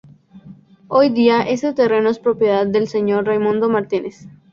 Hoy día ese terreno es propiedad del señor Raymundo Martínez.